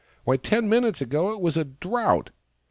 " Why, ten minutes ago it was a drought